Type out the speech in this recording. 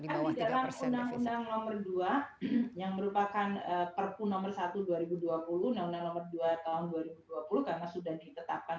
di bawah tiga persen yang merupakan perpun nomor satu dua ribu dua puluh nomor dua tahun dua ribu dua puluh karena sudah ditetapkan